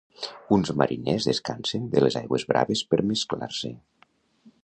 Uns mariners descansen de les aigües braves per mesclar-se.